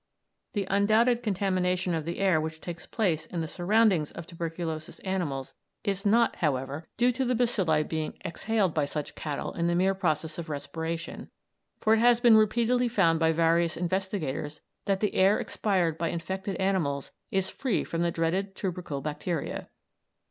The undoubted contamination of the air which takes place in the surroundings of tuberculous animals is not, however, due to the bacilli being exhaled by such cattle in the mere process of respiration, for it has been repeatedly found by various investigators that the air expired by infected animals is free from the dreaded tubercle bacteria.